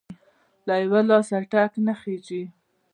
له يوه لاسه ټک نه خیژي!.